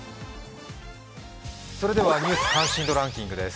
「ニュース関心度ランキング」です。